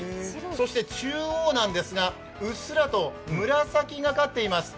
そして中央なんですがうっすらと紫がかっています。